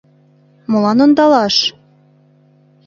Молан ондалаш?